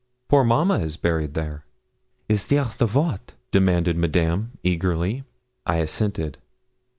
'Poor mamma is buried there.' 'Is there the vault?' demanded Madame eagerly. I assented.